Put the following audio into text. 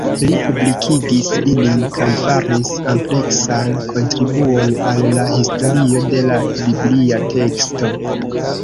Li publikigis ilin kaj faris ampleksan kontribuon al la historio de la biblia teksto.